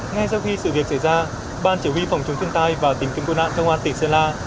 ngay sau khi sự việc xảy ra ban chỉ huy phòng chống thiên tai và tìm kiếm cứu nạn công an tỉnh sơn la